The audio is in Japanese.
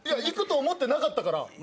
行くと思ってなかったから。